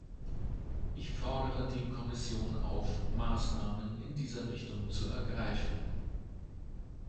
Ich fordere die Kommission auf, Maßnahmen in dieser Richtung zu ergreifen.